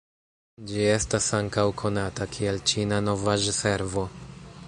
Ĝi estas ankaŭ konata kiel Ĉina Novaĵ-Servo.